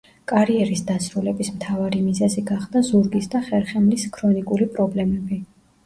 კარიერის დასრულების მთავარი მიზეზი გახდა ზურგის და ხერხემლის ქრონიკული პრობლემები.